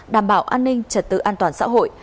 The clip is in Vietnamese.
đảm bảo an ninh trật tự an toàn xã hội